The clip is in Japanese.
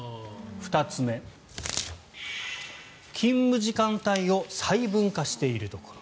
２つ目、勤務時間帯を細分化しているところ。